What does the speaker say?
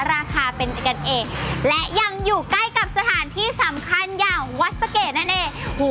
ราคาเป็นกันเองและยังอยู่ใกล้กับสถานที่สำคัญอย่างวัดสะเกดนั่นเอง